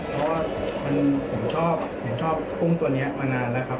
เพราะว่าผมชอบเห็นชอบกุ้งตัวนี้มานานแล้วครับ